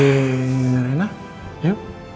iy rena yuk